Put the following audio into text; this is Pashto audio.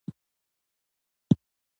دغه موجوده شورا کېدای شي بدله شي.